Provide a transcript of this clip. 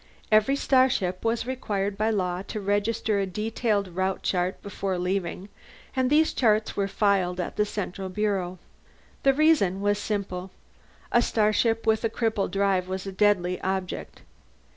Every starship was required by law to register a detailed route chart before leaving, and these charts were filed at the central bureau. The reason was simple: a starship with a crippled drive was a deadly object.